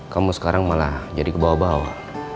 kamu sekarang malah jadi kebawa bawa